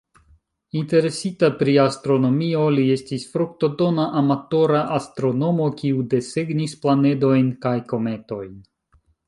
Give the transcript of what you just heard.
Interesita pri astronomio, li estis fruktodona amatora astronomo, kiu desegnis planedojn kaj kometojn.